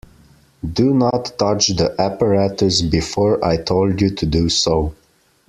Do not touch the apparatus before I told you to do so.